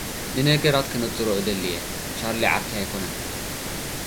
ንነገራት ከነጽሮ እደሊ እየ። ቻርሊ ዓርከይ ኣይኰነን።